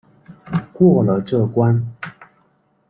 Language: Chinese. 过了这关